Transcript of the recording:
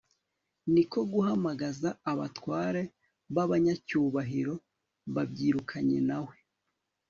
ni ko guhamagaza abatware b'abanyacyubahiro babyirukanye na we